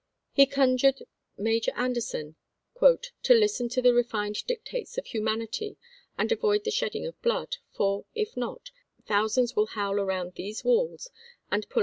He conjured Major An p. 179.'' derson "to listen to the refined dictates of humanity and avoid the shedding of blood, for, if not, thou port to the sands will howl around these walls, and pull out onthei'.